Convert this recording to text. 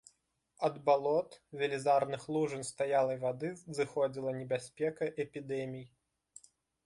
Ад балот, велізарных лужын стаялай вады зыходзіла небяспека эпідэмій.